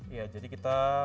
ya jadi kita